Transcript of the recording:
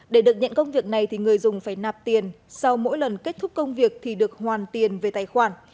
để được nhận công việc này thì người dùng phải nạp tiền sau mỗi lần kết thúc công việc thì được hoàn tiền về tài khoản